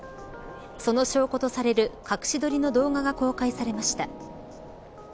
その証拠とされる隠し撮りの動画が公開されました。